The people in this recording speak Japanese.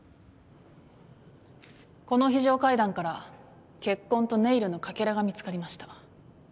この非常階段から血痕とネイルのかけらが見つかりました。